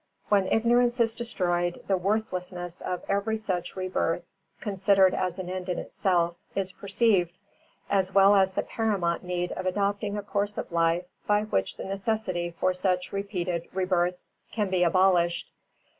When ignorance is destroyed the worthlessness of every such rebirth, considered as an end in itself, is perceived, as well as the paramount need of adopting a course of life by which the necessity for such repeated rebirths can be abolished.